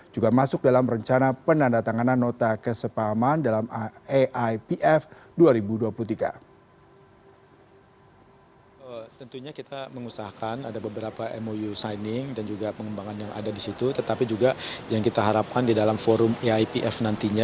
juga masuk dalam rencana penandatanganan nota kesepahaman dalam aipf dua ribu dua puluh tiga